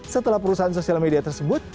setelah perusahaan sosial media tersebut